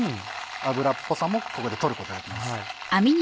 脂っぽさもここで取ることができます。